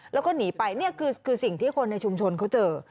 แล้วก็หนีไปนี่คือสิ่งที่คนในชุมชนเขาเจอ